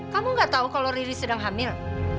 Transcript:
kamu gak tahu kalau riri sedang hamil